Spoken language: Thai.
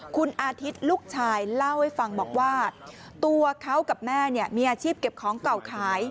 คุณอาทิตย์ลูกชายเล่าให้ฟังบอกว่าตัวเขากับแม่มีอาชีพเก็บของเก่าขาย